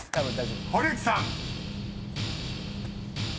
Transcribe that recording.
［堀内さん］